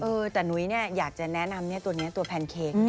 เออแต่นุ๊ยอยากจะแนะนำตัวนี้ตัวแพนเค้ก